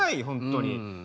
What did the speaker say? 本当に。